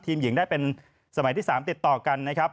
หญิงได้เป็นสมัยที่๓ติดต่อกันนะครับ